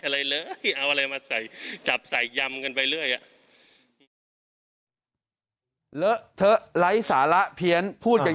แต่คำภาษาที่เขาพูดมันไม่ได้มีความ